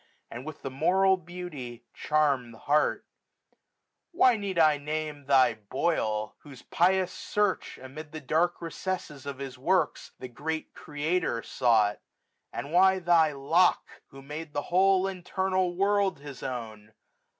And with the moral beauty charm the heart. p 2 io8 SUMMER. Why need I name thy Boyle, whose pious search Amid the dark recesses of his works, ^55^ The great Creator sought? And why thy Locke, Who made the whole internal world his own